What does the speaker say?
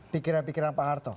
pikiran pikiran pak harto